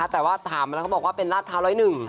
แต่ว่าถามแล้วก็บอกว่าเป็นราชพร้าวร้อยหนึ่ง